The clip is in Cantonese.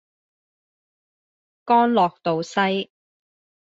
干諾道西